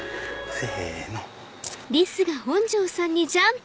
せの！